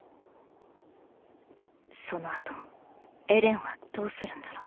そのあとエレンはどうするんだろう。